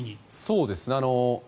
そうですね。